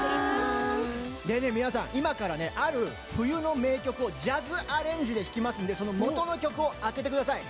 皆さん、今からある冬の名曲をジャズアレンジで弾きますのでその元の曲を当ててくださいね。